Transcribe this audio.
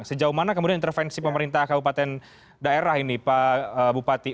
sejauh mana kemudian intervensi pemerintah kabupaten daerah ini pak bupati